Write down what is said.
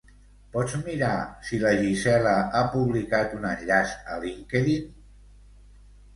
Pots mirar si la Gisela ha publicat un enllaç a LinkedIn?